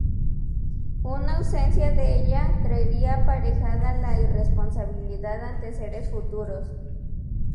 Una ausencia de ella, traería aparejada la irresponsabilidad ante seres futuros.